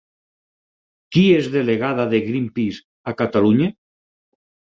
Qui és delegada de Greenpeace a Catalunya?